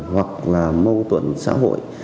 hoặc là mâu thuẫn xã hội